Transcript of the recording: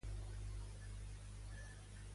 Com defineix el sereno matinar?